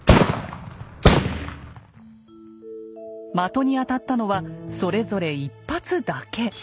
的に当たったのはそれぞれ１発だけ。